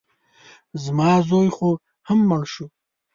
زما زوی خو هم مړ شو.